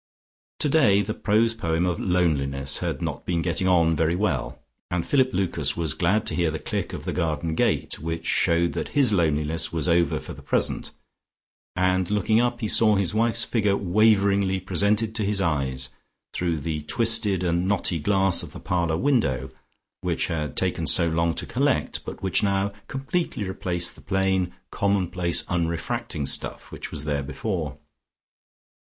Today the prose poem of "Loneliness" had not been getting on very well, and Philip Lucas was glad to hear the click of the garden gate, which showed that his loneliness was over for the present, and looking up he saw his wife's figure waveringly presented to his eyes through the twisted and knotty glass of the parlour window, which had taken so long to collect, but which now completely replaced the plain, commonplace unrefracting stuff which was there before.